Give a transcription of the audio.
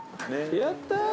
やったぁ。